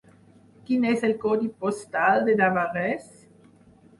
Quin és el codi postal de Navarrés?